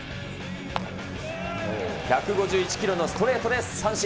１５１キロのストレートで三振。